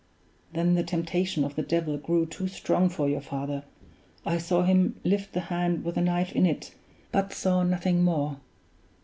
Then the temptation of the devil grew too strong for your father I saw him lift the hand with the knife in it but saw nothing more.